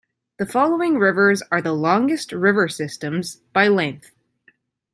The following rivers are the longest river systems, by length.